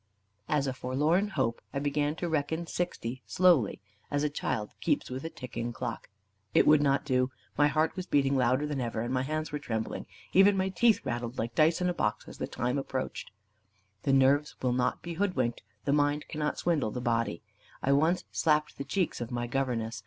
As a forlorn hope, I began to reckon sixty slowly, as a child keeps with a ticking clock. It would not do. My heart was beating louder than ever, and my hands were trembling; even my teeth rattled like dice in a box as the time approached. The nerves will not be hoodwinked; the mind cannot swindle the body. I once slapped the cheeks of my governess.